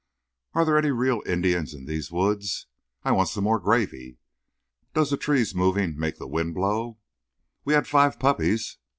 Are there any real Indians in these woods? I want some more gravy. Does the trees moving make the wind blow? We had five puppies.